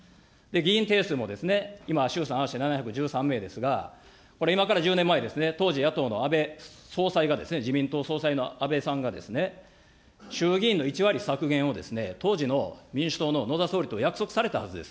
議員定数も今、衆参合わせて７１３名ですが、これ今から１０年前ですね、当時野党の安倍総裁が、自民党総裁の安倍さんがですね、衆議院の１割削減を当時の民主党の野田総理と約束されたはずです。